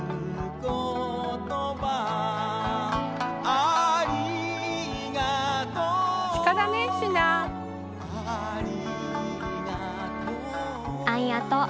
「ありがとう」